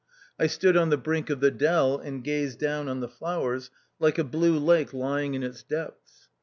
I O stood on the brink of the dell and gazed down on the flowers like a blue lake lying in its depths.